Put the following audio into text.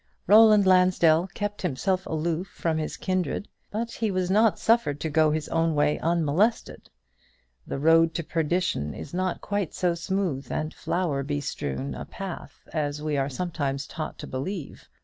Roland Lansdell kept himself aloof from his kindred; but he was not suffered to go his own way unmolested. The road to perdition is not quite so smooth and flower bestrewn a path as we are sometimes taught to believe.